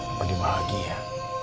apa dia bahagia